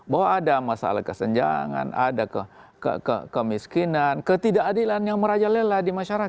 bahwa ada masalah kesenjangan ada kemiskinan ketidakadilan yang merajalela di masyarakat